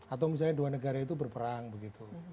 atau misalnya dua negara itu berperang begitu